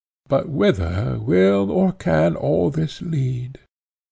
But whither will or can all this lead?